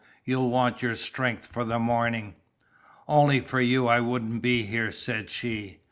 You'll want your strength for the morning." "Only for you I wouldn't be here," said she.